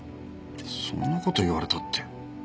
そんな事言われたって。